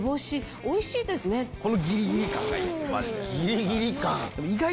このギリギリ感がいいですねマジで。